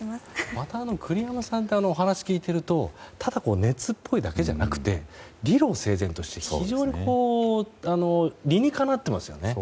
また、栗山さんってお話を聞いているとただ熱っぽいだけじゃなくて理路整然として非常に理にかなっていますよね。